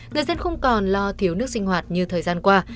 người dân không còn lo thiếu nước sinh hoạt như thời gian qua